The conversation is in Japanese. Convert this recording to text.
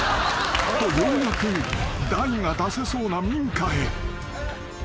［とようやく大が出せそうな民家へ］